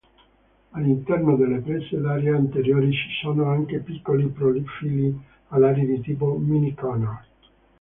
All'interno delle prese d'aria anteriori ci sono anche piccoli profili alari di tipo "mini-canard".